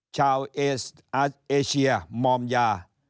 ชาวเอเชียมอมยา